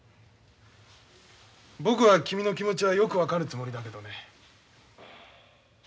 僕は君の気持ちはよく分かるつもりだけどね。